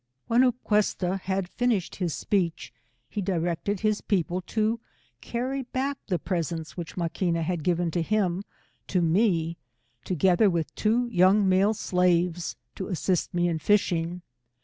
When Upquesta had finished his speech, he di rected his people io carry back the presents which Maquina had given him, to me, together with two young male slaves, to assist me in fishing.